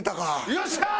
よっしゃー！